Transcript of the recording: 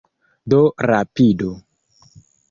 Do rapidu!